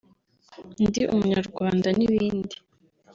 Ndi Umunyarwanda n’ibindi